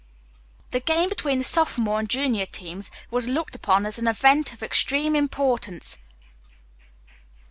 The game between the sophomore and junior teams was looked upon as an event of extreme importance.